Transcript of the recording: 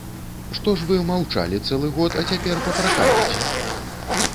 Што ж вы маўчалі цэлы год, а цяпер папракаеце?